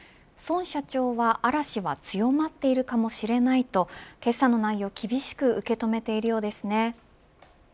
孫社長は嵐は強まっているかもしれないと決算の内容を厳しく受け止めているようですね。